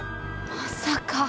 まさか。